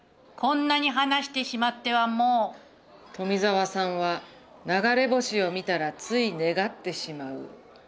こんなに話してしまってはもう富沢さんは流れ星を見たらつい願ってしまう。